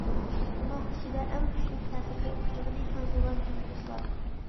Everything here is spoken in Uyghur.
بۇنىڭ ئىچىدە ئەڭ كۈچلۈك تەسىرگە ئۇچرىغىنى خەنزۇلار بىلەن رۇسلار.